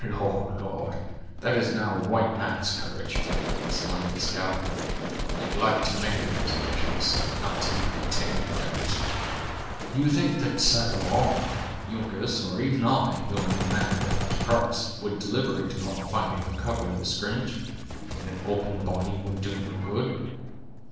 "Lord! Lord! That is now a white man's courage!" exclaimed the scout; "and like to many of his notions, not to be maintained by reason. Do you think the Sagamore, or Uncas, or even I, who am a man without a cross, would deliberate about finding a cover in the scrimmage, when an open body would do no good?